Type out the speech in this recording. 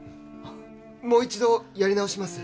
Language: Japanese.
もう一度やり直します